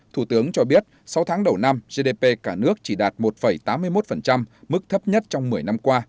thủ tướng cho biết sau tháng đầu năm gdp cả nước chỉ đạt một tám mươi một mức thấp nhất trong một mươi năm qua